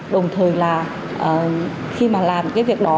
đồng thời là khi mà làm cái việc đó